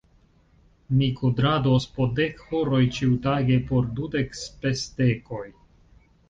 Mi kudrados po dek horoj ĉiutage por dudek spesdekoj.